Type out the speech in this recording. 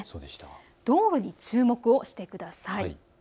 道路に注目をしてください。